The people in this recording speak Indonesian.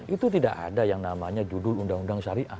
itu tidak ada yang namanya judul undang undang syariah